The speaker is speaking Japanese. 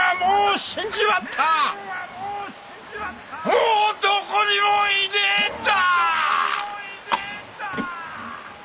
もうどこにもいねえんだ！